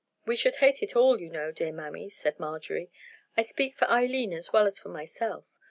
"We should hate it all, you know, dear mammy," said Marjorie. "I speak for Eileen as well as for myself.